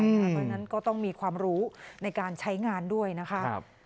เพราะฉะนั้นก็ต้องมีความรู้ในการใช้งานด้วยนะคะ